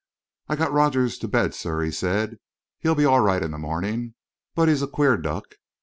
"I got Rogers to bed, sir," he said. "He'll be all right in the morning. But he's a queer duck."